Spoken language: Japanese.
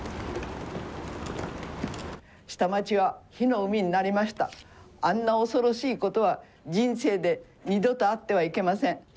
下町は火の海になりました、あんな恐ろしいことは人生で二度とあってはいけません。